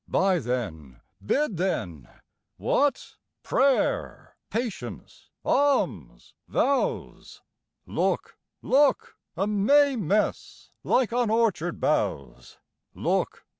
Buy then! bid then! What? Prayer, patience, alms, vows. Look, look: a May mess, like on orchard boughs! Look!